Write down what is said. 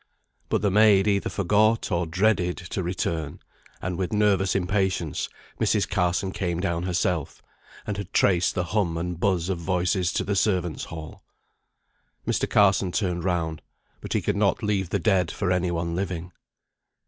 But the maid either forgot, or dreaded, to return; and with nervous impatience Mrs. Carson came down herself, and had traced the hum and buzz of voices to the servants' hall. Mr. Carson turned round. But he could not leave the dead for any one living.